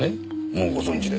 もうご存じで？